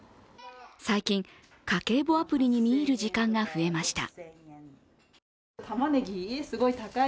最近、家計簿アプリに見入る時間が増えました。